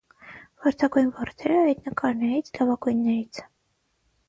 «Վարդագույն վարդերը» այդ նկարներից լավագույններից է։